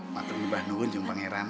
matur di bahan unjung pangeran